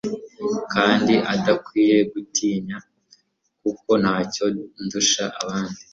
kandi adakwiye kuntinya kuko ntacyo ndusha abandi